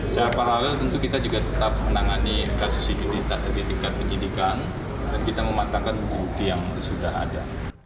seapalala tentu kita juga tetap menangani kasus ini di tahap ketika pendidikan dan kita mematangkan bukti yang sudah ada